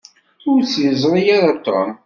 Ur tt-yeẓṛi ara Tom.